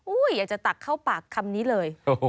อยากจะตักเข้าปากคำนี้เลย